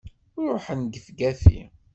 Ruḥen gefgafi!